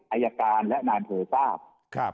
อายการและนายอำเภอทราบ